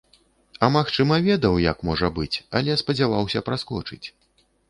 А магчыма, ведаў, як можа быць, але спадзяваўся праскочыць.